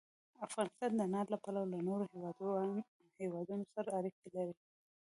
افغانستان د انارو له پلوه له نورو هېوادونو سره اړیکې لري.